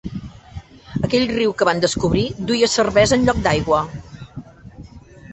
Aquell riu que van descobrir duia cervesa en lloc d'aigua.